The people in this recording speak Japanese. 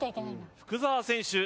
福澤選手